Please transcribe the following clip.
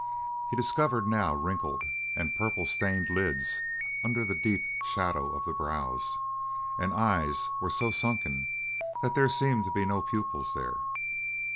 He discovered now wrinkled and purple stained lids under the deep shadow of the brows and eyes were so sunken that there seemed to be no pupils there.